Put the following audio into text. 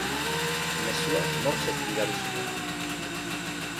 Mezua morsez bidali zuten.